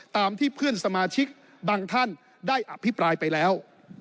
ตามที่เพื่อนสมาชิกบางท่านได้อภิปรายไปแล้ว